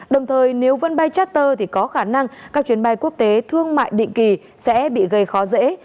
đồng thời nếu vươn bay charter thì có khả năng các chuyến bay quốc tế thương mại định kỳ sẽ bị gây khó dễ